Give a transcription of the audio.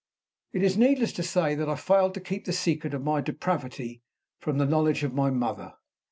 It is needless to say that I failed to keep the secret of my depravity from the knowledge of my mother.